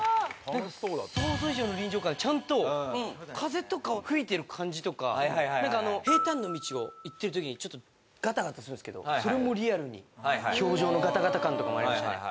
何か想像以上の臨場感ちゃんと風とか吹いてる感じとか何かあの平たんの道をいってる時にちょっとガタガタするんですけどそれもリアルに氷上のガタガタ感とかもありましたね